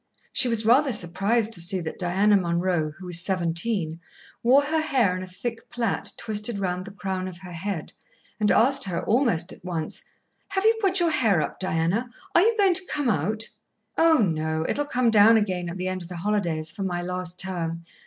She was rather surprised to see that Diana Munroe, who was seventeen, wore her hair in a thick plait twisted round the crown of her head, and asked her almost at once: "Have you put your hair up, Diana? Are you going to 'come out'?" "Oh, no. It'll come down again at the end of the holidays, for my last term.